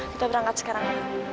kita berangkat sekarang